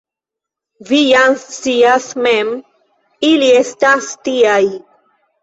Vi ja scias mem, ili estas tiaj.